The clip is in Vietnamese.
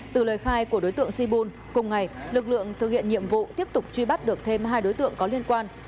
từ lời khai của đối tượng sibul cùng ngày lực lượng thực hiện nhiệm vụ tiếp tục truy bắt được thêm hai đối tượng có liên quan